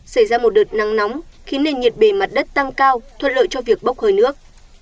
xảy ra một đợt nắng nóng khiến nền nhiệt bề mặt đất tăng cao thuận lợi cho việc bốc hơi nước